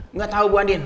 enggak tahu bu andien